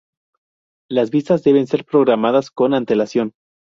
Las visitas deben ser programadas con antelación.